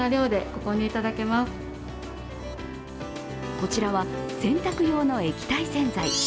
こちらは洗濯用の液体洗剤。